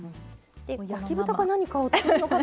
焼き豚か何かを作るのかと思いきや。